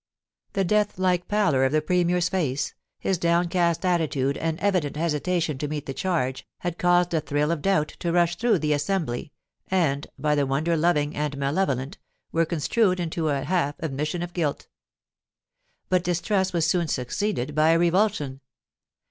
The death like pallor of the Premier's face, his downcast attitude and evident hesitation to meet the charge, had 410 POLICY AND PASSION. caused a thrill of doubt to rush through the Assembly, and, by the wonder loving and malevolent, were construed into i half admission of guilt But distrust was soon succeeded by a revulsion.